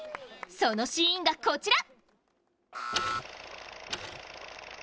そのシーンがこちら。